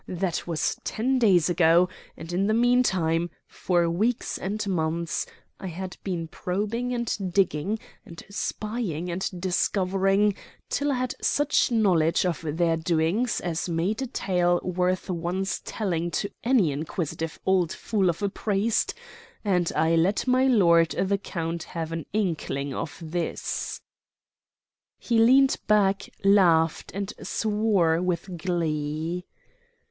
That was ten days ago; and in the mean time, for weeks and months I had been probing and digging, and spying and discovering, till I had such knowledge of their doings as made a tale worth one's telling to any inquisitive old fool of a priest and I let my lord the count have an inkling of this." He leant back, laughed, and swore with glee.